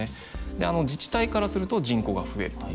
自治体からすると人口が増えると。